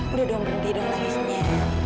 udah dong berhenti dong nangisnya